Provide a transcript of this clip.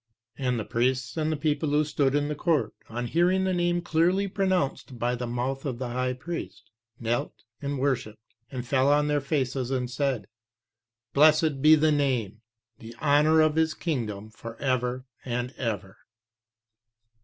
3 And the priests and the people who stood in the court, on hearing the Name clearly pronounced by the mouth of the High Priest, knelt and worshipped, and fell on their faces and said, 'BLESSED BE THE NAME. THE HONOUR OF HIS KINGDOM FOR EVER AND EVER.'"